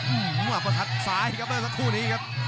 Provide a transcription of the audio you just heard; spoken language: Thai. อื้อหว่าประทัดซ้ายครับด้วยสักครู่นี้ครับ